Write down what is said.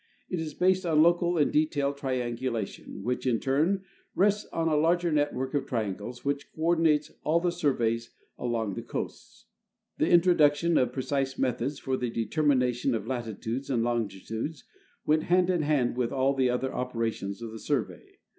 It is based on local and detailed triangulation, which in turn rests on a larger network of triangles which coordinates all the surveys along the coasts. The introduction of precise methods for the determination of latitudes and longitudes went hand in hand with all the other operations of the Survey.